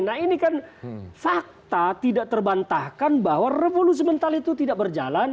nah ini kan fakta tidak terbantahkan bahwa revolusi mental itu tidak berjalan